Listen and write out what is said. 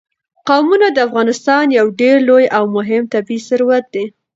قومونه د افغانستان یو ډېر لوی او مهم طبعي ثروت دی.